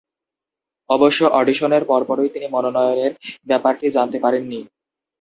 অবশ্য অডিশনের পরপরই তিনি মনোনয়নের ব্যাপারটি জানতে পারেননি।